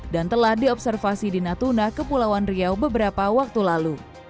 dan telah diobservasi di natuna kepulauan riau beberapa waktu lalu